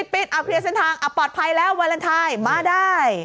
ปิดเคลียร์เส้นทางปลอดภัยแล้ววาเลนไทยมาได้